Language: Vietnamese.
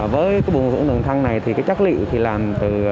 với cái buồng khử khuẩn đầu tiên này thì cái chất liệu thì làm từ